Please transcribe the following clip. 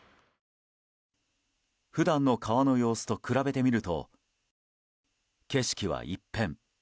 普段の川の様子と比べてみると景色は一変。